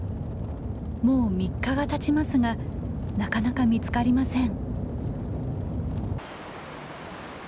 もう３日がたちますがなかなか見つかりません。